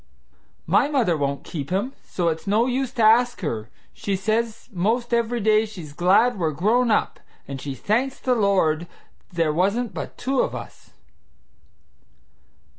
"My mother won't keep him, so it's no use to ask her; she says most every day she's glad we're grown up, and she thanks the Lord there wasn't but two of us."